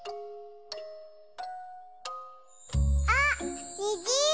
あっにじ！